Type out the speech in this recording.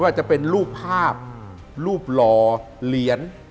จะเป็นรูปภาพรูปหล่อเหรียญ